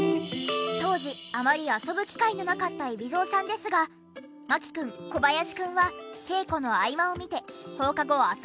当時あまり遊ぶ機会のなかった海老蔵さんですが牧くん小林くんは稽古の合間を見て放課後遊んでいたそうで。